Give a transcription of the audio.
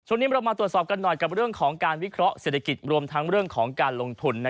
เรามาตรวจสอบกันหน่อยกับเรื่องของการวิเคราะห์เศรษฐกิจรวมทั้งเรื่องของการลงทุน